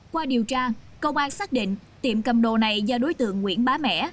qua điều tra công an xác định tiệm cầm đồ này do đối tượng nguyễn bá mẻ